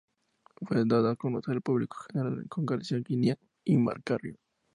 Fue dada a conocer al público general por García Guinea y M. Carrión.